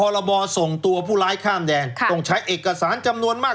ส่งตัวผู้ร้ายข้ามแดนต้องใช้เอกสารจำนวนมาก